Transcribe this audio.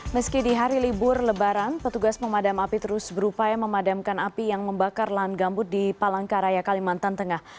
meski di hari libur lebaran petugas pemadam api terus berupaya memadamkan api yang membakar lahan gambut di palangkaraya kalimantan tengah